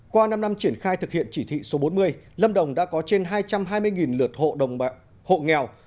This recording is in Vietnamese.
qua năm năm triển khai thực hiện chỉ thị số bốn mươi lâm đồng đã có trên hai trăm hai mươi lượt hộ nghèo